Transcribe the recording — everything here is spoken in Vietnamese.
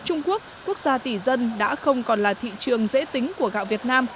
trung quốc quốc gia tỷ dân đã không còn là thị trường dễ tính của gạo việt nam